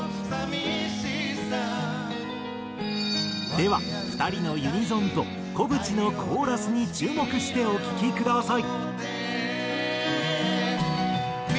では２人のユニゾンと小渕のコーラスに注目してお聴きください。